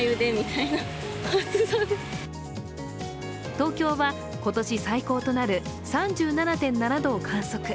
東京は今年最高となる３７．７度を観測。